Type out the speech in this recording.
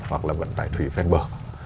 hoặc là vận tải thủy ven bờ